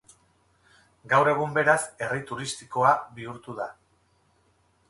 Gaur egun beraz herri turistikoa bihurtu da.